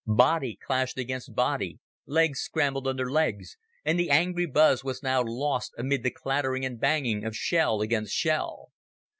Body clashed against body, legs scrambled under legs, and the angry buzz was now lost amid the clattering and banging of shell against shell.